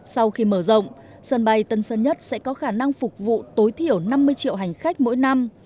sau khi mở rộng sân bay tân sơn nhất sẽ có khả năng phục vụ tối thiểu năm mươi triệu hành khách mỗi năm